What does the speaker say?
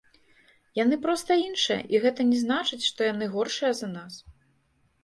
Яны проста іншыя і гэта не значыць, што яны горшыя за нас.